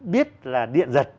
biết là điện giật